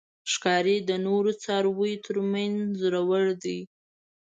ښکاري د نورو څارویو تر منځ زړور دی.